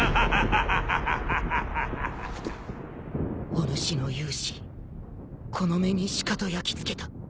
おぬしの勇姿この目にしかと焼き付けた。